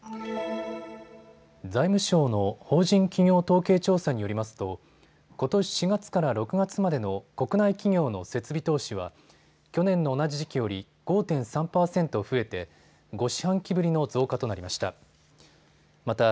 財務省の法人企業統計調査によりますとことし４月から６月までの国内企業の設備投資は去年の同じ時期より５．３％増えて５四半期ぶりの増加となりました。